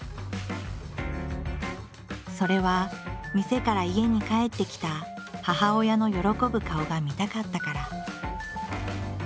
それは店から家に帰ってきた母親の喜ぶ顔が見たかったから。